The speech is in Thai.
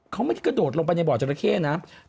เขาไม่ได้กระโดดลงไปในบ่อสร้างความเสียหายแก่ฟาร์มจราเข้นะ